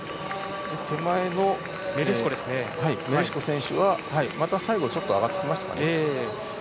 メレシコ選手は、また最後ちょっと上がってきました。